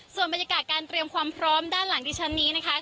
ส่วนบรรยากาศการเตรียมความพร้อมด้านหลังดิฉันนี้นะคะ